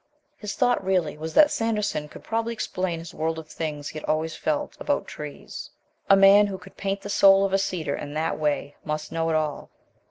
His thought really was that Sanderson could probably explain his world of things he had always felt about trees. A man who could paint the soul of a cedar in that way must know it all.